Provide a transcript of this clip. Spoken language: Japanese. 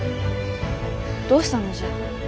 どうしたのじゃ。